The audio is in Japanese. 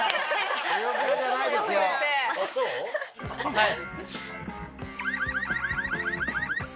はい！